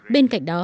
bên cạnh đó